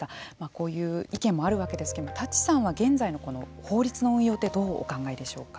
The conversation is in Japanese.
こういう意見もあるわけですけれども城さんは現在のこの法律の運用ってどうお考えでしょうか。